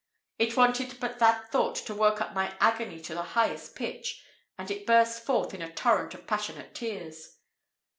It wanted but that thought to work up my agony to the highest pitch, and it burst forth in a torrent of passionate tears.